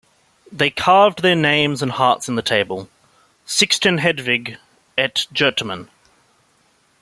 They carved their names and hearts in the table; "Sixten Hedvig - Ett hjerteminne".